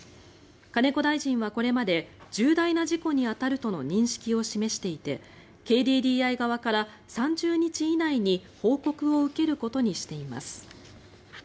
金子大臣はこれまで重大な事故に当たるとの認識を示していてＫＤＤＩ側から３０日以内に報告を受けることにしています。